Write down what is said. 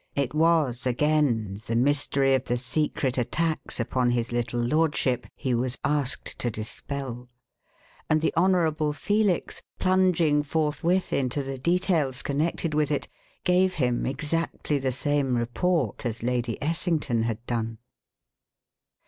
It was again the mystery of the secret attacks upon his little lordship he was asked to dispel; and the Honourable Felix, plunging forthwith into the details connected with it, gave him exactly the same report as Lady Essington had done.